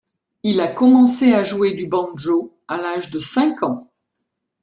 Il a commencé à jouer du banjo à l'âge de cinq ans.